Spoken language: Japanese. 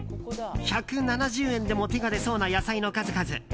１７０円でも手が出そうな野菜の数々。